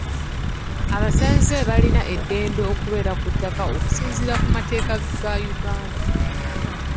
Abasenze balina eddembe okubeera ku ttaka okusinziira ku mateeka ga Uganda.